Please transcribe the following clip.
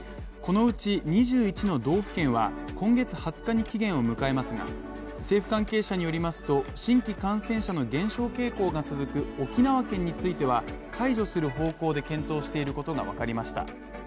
このうち２１の道府県は今月２０日に期限を迎えますが、政府関係者によりますと新規感染者の減少傾向が続く沖縄県については、解除する方向で検討していることが分かりました。